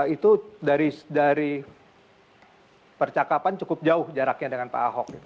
itu dari percakapan cukup jauh jaraknya dengan pak ahok